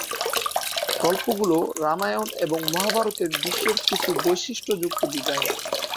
গল্পগুলো রামায়ণ এবং মহাভারতের দৃশ্যের কিছু বৈশিষ্ট্যযুক্ত ডিজাইন।